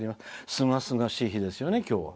すがすがしい日ですよね今日は。